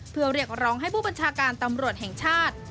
เพื่อเรียกร้องให้ผู้บัญชาการตำรวจแห่งชาติ